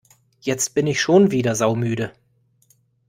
Jetzt bin ich schon wieder saumüde!